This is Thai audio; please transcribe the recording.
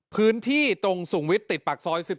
พื้นที่ตรงสูงวิทย์ติดปากซอย๑๔